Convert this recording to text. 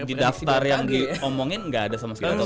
di daftar yang diomongin nggak ada sama sekali